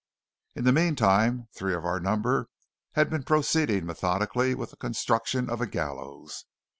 In the meantime, three of our number had been proceeding methodically with the construction of a gallows.